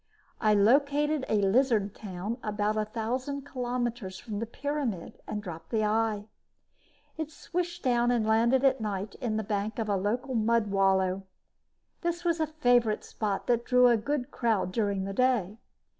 I located a lizard town about a thousand kilometers from the pyramid and dropped the eye. It swished down and landed at night in the bank of the local mud wallow. This was a favorite spot that drew a good crowd during the day.